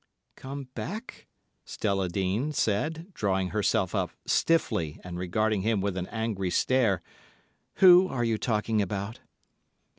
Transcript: "Come back!" Stella Dean said, drawing herself up stiffly and regarding him with an angry stare. "Who are you talking about?"